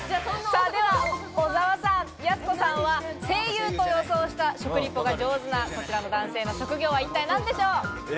では、小澤さん、やす子さんは声優と予想した、食リポが上手なこちらの男性の職業は一体何でしょう？